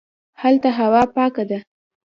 هلته هوا پاکه ده